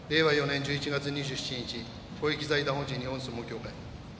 ４年１１月２７日公益財団法人日本相撲協会